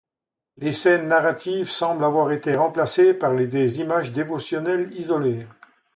Les scènes narratives semblent avoir été remplacées par des images dévotionnelles isolées.